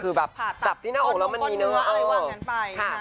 คือแบบผ่าตับที่หน้าอกแล้วมันมีเนื้อค่ะ